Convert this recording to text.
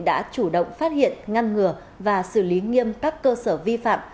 đã chủ động phát hiện ngăn ngừa và xử lý nghiêm các cơ sở vi phạm